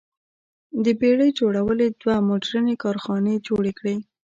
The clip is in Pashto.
د بېړۍ جوړونې دوه موډرنې کارخانې جوړې کړې.